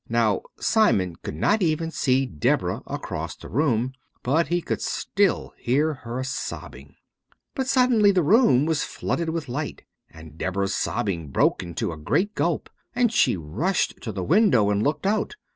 Now, Simon could not even see Deborah across the room, but he could still hear her sobbing. But suddenly the room was flooded with light and Deborah's sobbing broke into a great gulp and she rushed to the window and looked out.